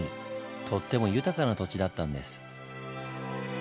とっても豊かな土地だったんです。